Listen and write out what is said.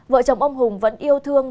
vợ chồng ông hùng vẫn yêu thương